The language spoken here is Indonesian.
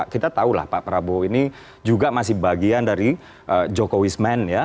kita tahu lah pak prabowo ini juga masih bagian dari jokowismen ya